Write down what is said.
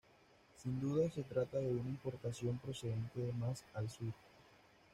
Sin duda se trata de una importación procedente de más al Sur.